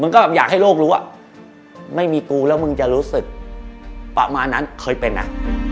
ก็อยากให้โลกรู้อ่ะไม่มีกูแล้วมึงจะรู้สึกประมาณนั้นเคยเป็นนะ